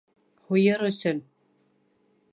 Һуйыр өсөн...